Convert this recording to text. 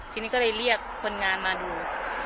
ทีนี้ก็เลยเรียกคนงานมาดู